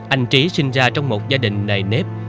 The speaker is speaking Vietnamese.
anh trí sinh ra trong một gia đình đầy nếp